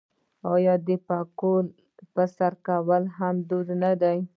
آیا د پکول په سر کول هم دود نه دی؟